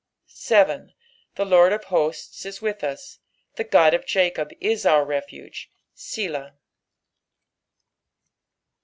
7 The Lord of hosts is with us ; the God of Jacob is our refuge. Selah. 4.